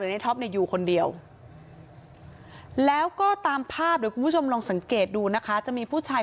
ในท๊อปในอยู่คนเดียวแล้วก็ตามภาพด้วยคุณสมรองสังเกตดูนะคะจะมีผู้ชาย